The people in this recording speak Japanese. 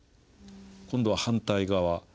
今度は反対側。